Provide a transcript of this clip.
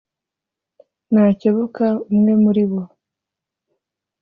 nakebuka umwe muri bo